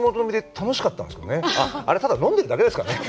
あれただ飲んでるだけですからね。